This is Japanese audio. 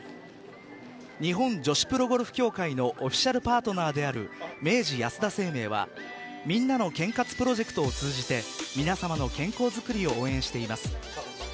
日本女子プロゴルフ協会のオフィシャルパートナーである明治安田生命はみんなの健活プロジェクトを通じて皆さまの健康づくりを応援しています。